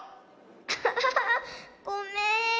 アハハごめん。